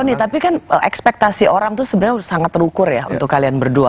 ini tapi kan ekspektasi orang itu sebenarnya sangat terukur ya untuk kalian berdua